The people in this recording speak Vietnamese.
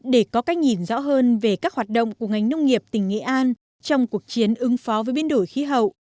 để có cách nhìn rõ hơn về các hoạt động của ngành nông nghiệp tỉnh nghệ an trong cuộc chiến ứng phó với biến đổi khí hậu